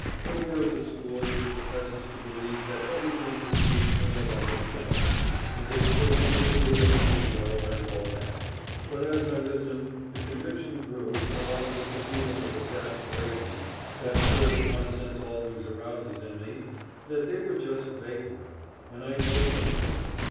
They were of the school which professes to believe that everything proceeds from the love of self, and they spoke learnedly of the ego and all that; but as I listened the conviction grew, along with the feeling of exasperation that sort of nonsense always arouses in me, that they were just vaporing, and I told them so.